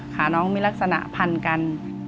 ขาน้องมีลักษณะพันกัน